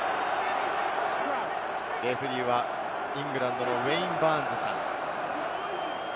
レフェリーはイングランドのウェイン・バーンズさん。